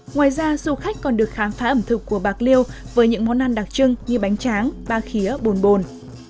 ngoài ra du khách còn được khám phá ẩm thực của bạc liêu với những món ăn đặc trưng như bánh tráng ba khía bồn bồn